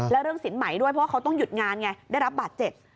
แล้วเรื่องสินใหม่ด้วยเพราะว่าเขาต้องหยุดงานไงได้รับบาดเจ็บ